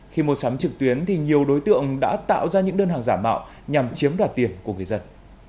khi mua sắm trực tuyến thì nhiều đối tượng đã tạo ra những đơn hàng giả mạo nhằm chiếm đoạt tiền của người dân